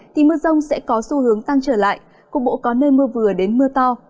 thì mưa rông sẽ có xu hướng tăng trở lại cục bộ có nơi mưa vừa đến mưa to